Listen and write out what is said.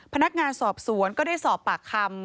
พนักงานสอบสวนก็ได้สอบปากคำ